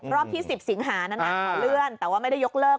ที่๑๐สิงหานั้นนะขอเลื่อนแต่ว่าไม่ได้ยกเลิก